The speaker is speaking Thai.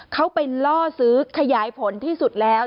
เขาไปล่อซื้อขยายผลที่สุดแล้ว